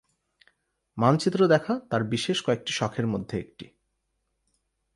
মানচিত্র দেখা তাঁর বিশেষ কয়েকটি শখের মধ্যে একটি।